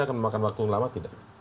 akan memakan waktu yang lama tidak